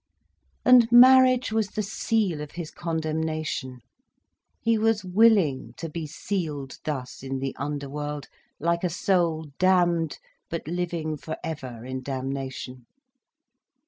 And marriage was the seal of his condemnation. He was willing to be sealed thus in the underworld, like a soul damned but living forever in damnation.